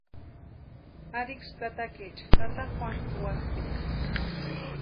Ariksï tatakaecha tata Juanu wapʼaesti.